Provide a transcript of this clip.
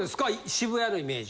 渋谷のイメージ。